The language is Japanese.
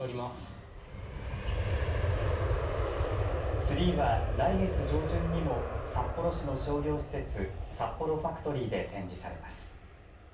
ツリーは来月上旬にも札幌市の商業施設サッポロファクトリーで展示されます。